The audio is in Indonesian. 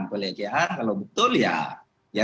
pelecehan kalau betul ya